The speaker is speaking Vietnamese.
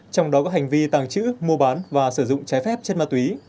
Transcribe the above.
trong đó có hành vi tàng trữ mua bán và sử dụng trái phép chất ma túy